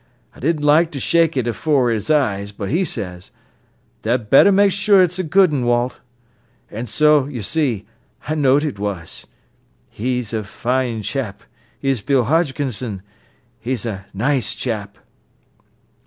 I didn't like ter shake it afore 'is eyes, but 'e says, 'Tha'd better ma'e sure it's a good un, Walt.' An' so, yer see, I knowed it was. He's a nice chap, is Bill Hodgkisson, e's a nice chap!"